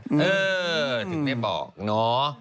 คือไม่บอกเนาะ